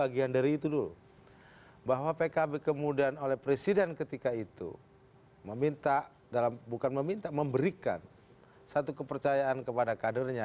dan dari itu dulu bahwa pkb kemudian oleh presiden ketika itu memberikan satu kepercayaan kepada kadernya